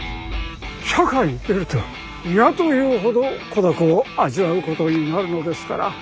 社会に出ると嫌というほど孤独を味わうことになるのですから